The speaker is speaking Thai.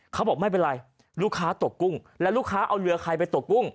เขาบอกไม่เป็นไรลูกค้าตกกุ้งแล้วลูกค้าเอาเรือใครไปตกกุ้ง